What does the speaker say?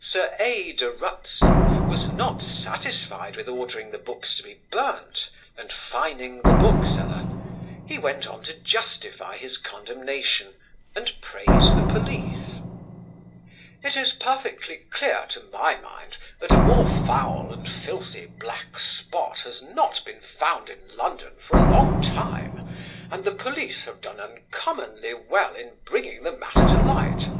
Sir A. de Rutzen was not satisfied with ordering the books to be burnt and fining the bookseller; he went on to justify his condemnation and praise the police: "It is perfectly clear to my mind that a more foul and filthy black spot has not been found in London for a long time, and the police have done uncommonly well in bringing the matter to light.